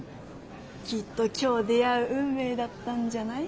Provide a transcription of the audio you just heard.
きっと今日出会う運命だったんじゃない？